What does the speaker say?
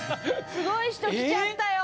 すごい人来ちゃったよ。